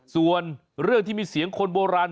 ส่วนเรื่องที่มีเสียงคนโบราณ